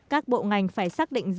các bộ ngành phải xác định rõ